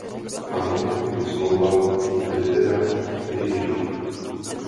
Ano, je tu Smlouva, její litera a její duch.